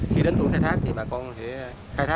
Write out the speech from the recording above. khi đến tuổi khai thác thì bà con sẽ khai thác